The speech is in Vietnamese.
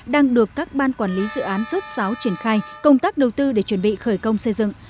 đang được các ban quản lý dự án rốt sáo triển khai công tác đầu tư để chuẩn bị khởi công xây dựng